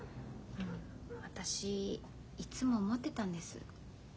私いっつも思ってたんです。